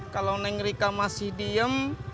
kalau neng rika masih diem